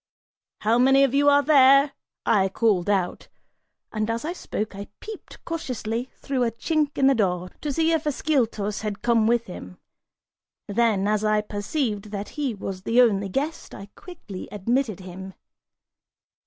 "How many of you are there?" I called out, and as I spoke, I peeped cautiously through a chink in the door to see if Ascyltos had come with him; then, as I perceived that he was the only guest, I quickly admitted him.